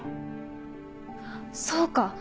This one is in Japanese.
そうか！